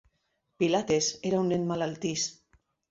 Pilates era un nen malaltís.